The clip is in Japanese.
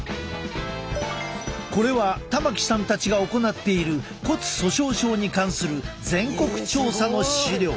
これは玉置さんたちが行っている骨粗しょう症に関する全国調査の資料。